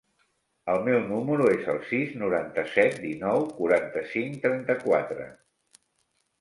El meu número es el sis, noranta-set, dinou, quaranta-cinc, trenta-quatre.